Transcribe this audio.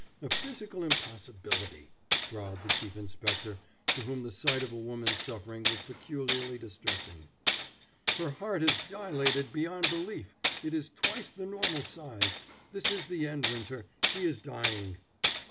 "A physical impossibility," growled the Chief Inspector, to whom the sight of a woman's suffering was peculiarly distressing. "Her heart has dilated beyond belief. It is twice the normal size. This is the end, Winter! She is dying!"